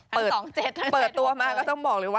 เปิดตัวมาก็ต้องบอกเลยว่า